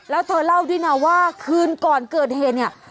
แล้วเธอเล่าด้วยนะว่าคืนก่อนเกิดเหตุเนี่ย